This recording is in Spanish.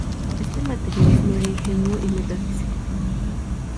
Este materialismo era ingenuo y metafísico.